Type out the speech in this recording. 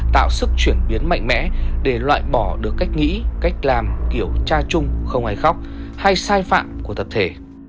tạo sức chuyển biến mạnh mẽ để loại bỏ được cách nghĩ cách làm kiểu cha chung không ai khóc hay sai phạm của tập thể